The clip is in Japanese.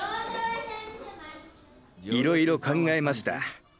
いろいろ考えました。